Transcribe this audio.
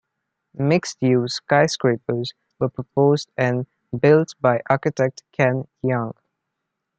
Mixed-use skyscrapers were proposed and built by architect Ken Yeang.